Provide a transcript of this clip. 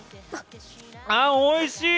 ああ、おいしい！